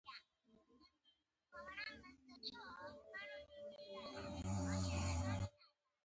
د امام صاحب خربوزې د شاتو په څیر دي.